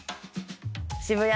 渋谷。